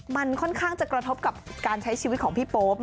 มันค่อนข้างจะกระทบกับการใช้ชีวิตของพี่โป๊ป